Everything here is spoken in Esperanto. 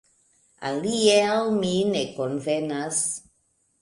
Alie al mi ne konvenas.